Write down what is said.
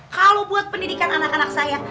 kalau buat pendidikan anak anak saya